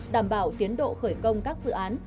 đảm bảo tiến độ khởi công các dự án